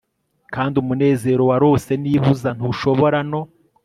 kandi umunezero warose, niba uza, ntushobora no